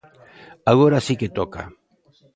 Agora si que toca.